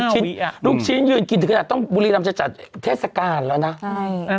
เขาบอกลูกชิ้นยืนกินถึงเราต้องบุรีรมจจัดเทศกาลแล้วน่ะอ่ะนะ